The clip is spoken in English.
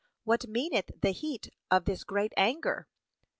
what meaneth the heat of this great anger?'